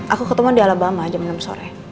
aku ketemu di alabama jam enam sore